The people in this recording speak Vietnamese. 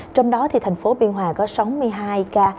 trong đó thành phố biên hòa có sáu mươi hai ca